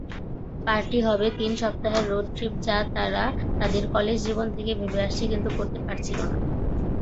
Party হবে তিন সপ্তাহের রোড ট্রিপ যা তারা তাদের কলেজ জীবন থেকেই ভেবে আসছে কিন্তু করতে পারছিল না।